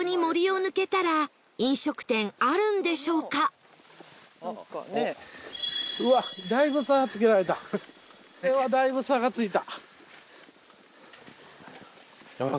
これはだいぶ差がついた。